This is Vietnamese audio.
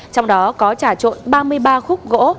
trong đó có trà trộn ba mươi ba khúc gỗ